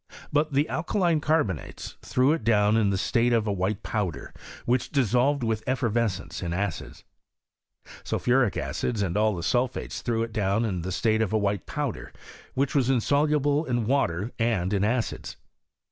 But the alkaline carbonates threw it down in the state of a white powder, which dissolved with effervescence in acids. Sulphuric acid and all the sulphates threw it down in the state of a white powder, which was insoluble in water and in acids.